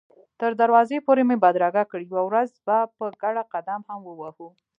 تر دروازې پورې مې بدرګه کړ، یوه ورځ به په ګډه قدم هم ووهو.